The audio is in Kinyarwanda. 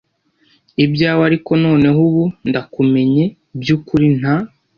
ibyawe ariko noneho ubu ndakumenye by ukuri nta